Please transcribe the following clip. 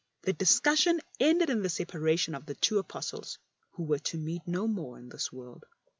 The discussion ended in the separation of the two Apostles, who were to meet no more in this world.